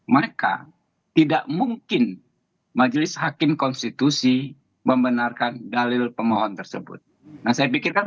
maka tidak mungkin majelis hakim konstitusi membenarkan dalil pemohon tersebut nah saya pikirkan